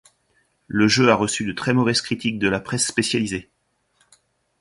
Le jeu a reçu de très mauvaises critiques de la presse spécialisée.